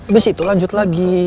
abis itu lanjut lagi